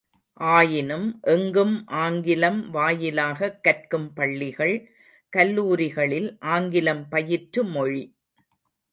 ஆயினும் எங்கும் ஆங்கிலம் வாயிலாகக் கற்கும் பள்ளிகள் கல்லூரிகளில் ஆங்கிலம் பயிற்று மொழி!